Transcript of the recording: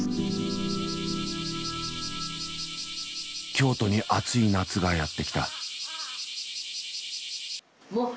京都に暑い夏がやって来た。